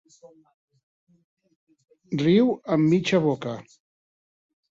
Riu amb mitja boca.